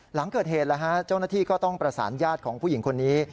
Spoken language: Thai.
หลังเกิดเหตุเจ้าหน้าที่ก็ต้องประสานญาติของผู้หญิงคนนี้